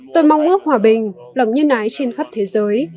tôi mong ước hòa bình lòng nhân ái trên khắp thế giới